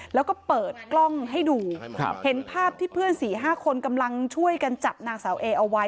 แล้วก็เปิดกล้องให้ดูเห็นภาพที่เพื่อน๔๕คนกำลังช่วยกันจับนางสาวเอเอาไว้